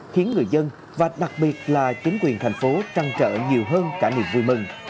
khiến người dân và đặc biệt là chính quyền thành phố trăng trở nhiều hơn cả niềm vui mừng